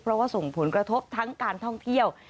เพราะว่าส่งผลกระทบทั้งการท่องเที่ยว